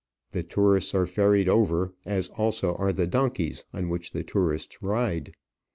The tourists are ferried over, as also are the donkeys on which the tourists ride.